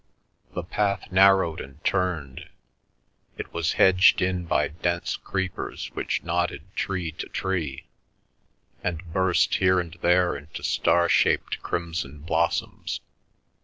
The path narrowed and turned; it was hedged in by dense creepers which knotted tree to tree, and burst here and there into star shaped crimson blossoms.